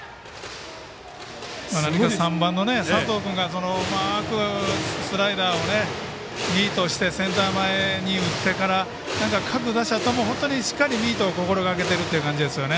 ３番の佐藤君が、うまくスライダーをミートしてセンター前に打ってから各打者ともしっかりミートを心がけてるという感じですよね。